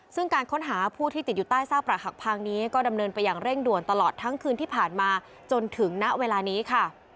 ซึ่งการค้นหาผู้ที่ติดอยู่ใต้ซากประหักพังนี้ก็ดำเนินไปอย่างเร่งด่วนตลอดทั้งคืนที่ผ่านมาจนถึงณเวลานี้ค่ะ